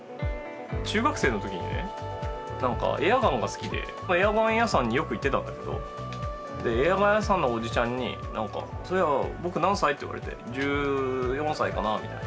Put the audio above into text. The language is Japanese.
中学生の時にねエアガンが好きでエアガン屋さんによく行ってたんだけどエアガン屋さんのおじちゃんに「そういやぼく何歳？」って言われて「１４歳かな」みたいな。